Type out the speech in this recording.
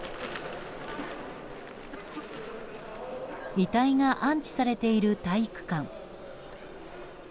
遺体が安置されている体育館。